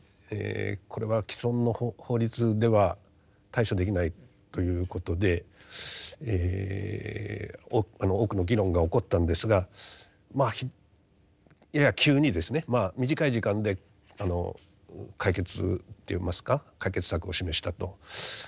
これは既存の法律では対処できないということで多くの議論が起こったんですがまあやや急にですね短い時間で解決といいますか解決策を示したと。